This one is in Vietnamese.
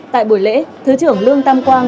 tại buổi lễ thứ trưởng lương tam quang